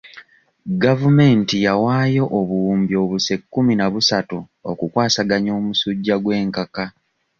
Gavumenti yawaayo obuwumbi obuse kkumi na busatu okukwasaganya omusujja gw'enkaka.